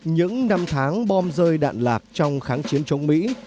những năm tháng bom rơi đạn lạc trong kháng chiến chống mỹ